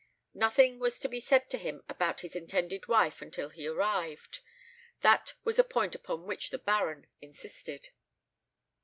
Nothing was to be said to him about his intended wife until he arrived; that was a point upon which the Baron insisted.